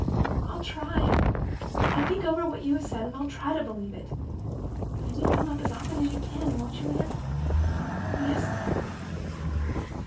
"I'll try. I'll think over what you have said, and try to believe it. And you'll come up as often as you can, won't you, Anne?" "Yes, dear."